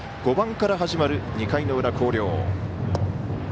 ５番から始まる２回の裏、広陵。